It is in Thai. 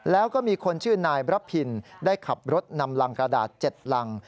แล้วก็มีคนชื่อนายบรพินได้ขับรถนำรังกระดาษ๗รัง